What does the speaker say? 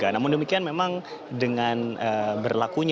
namun demikian memang dengan berlakunya